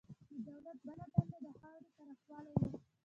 د دولت بله دنده د خاورې پراخول وو.